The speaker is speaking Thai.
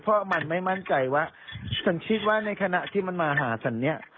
เพราะมันไม่มั่นใจว่าฉันคิดว่าในขณะที่มันมาหาฉันเนี่ย